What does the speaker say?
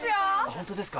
ホントですか？